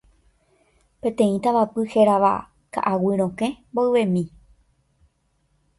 peteĩ tavapy hérava Ka'aguy Rokẽ mboyvemi